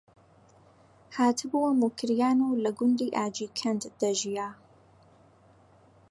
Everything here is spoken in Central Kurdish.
هاتبووە موکریان و لە گوندی ئاجیکەند دەژیا